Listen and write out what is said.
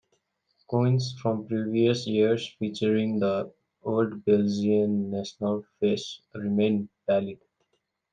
Coins from previous years featuring the old Belgian national face remain valid.